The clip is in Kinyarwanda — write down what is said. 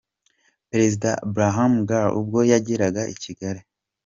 Perezida Brahim Ghali ubwo yageraga i Kigali.